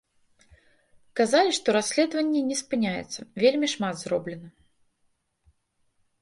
Казалі, што расследаванне не спыняецца, вельмі шмат зроблена.